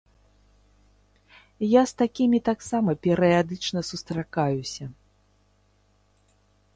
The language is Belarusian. Я з такімі таксама перыядычна сустракаюся.